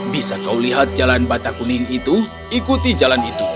bisa kau lihat jalan batak kuning itu ikuti jalan itu